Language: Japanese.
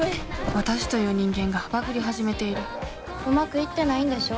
私という人間がバグり始めているうまくいってないんでしょ？